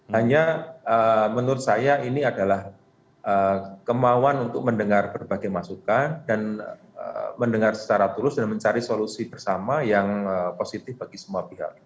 hanya menurut saya ini adalah kemauan untuk mendengar berbagai masukan dan mendengar secara tulus dan mencari solusi bersama yang positif bagi semua pihak